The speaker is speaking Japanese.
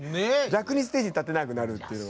逆にステージに立てなくなるっていう。